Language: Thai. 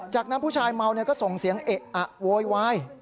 จากนั้นผู้ชายเมาก็ส่งเสียงเอะอะโวยวาย